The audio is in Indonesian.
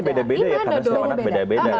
beda beda ya karena seluruhnya beda beda